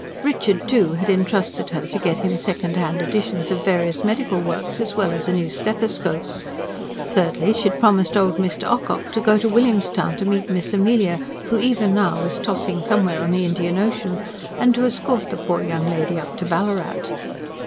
Richard, too, had entrusted her to get him second hand editions of various medical works, as well as a new stethoscope. Thirdly, she had promised old Mr. Ocock to go to William's Town to meet Miss Amelia, who even now was tossing somewhere on the Indian Ocean, and to escort the poor young lady up to Ballarat.